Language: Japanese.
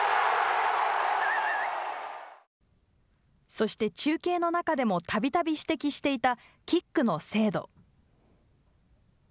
そして、中継の中でもたびたび指摘していたキックの精度。